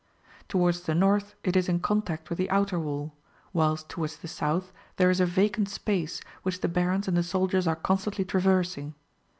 [Towards the north it is in contact with the outer wall, whilst tov/ards the south there is a vacant space which the Barons and the soldiers are constantly traversing.''